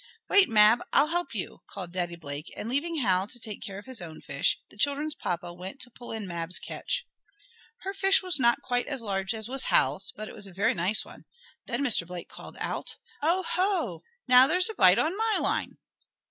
"Wait, Mab, I'll help you!" called Daddy Blake, and, leaving Hal to take care of his own fish, the children's papa went to pull in Mab's catch. Her fish was not quite as large as was Hal's, but it was a very nice one. Then Mr. Blake called out: "Oh ho! Now there's a bite on my line!"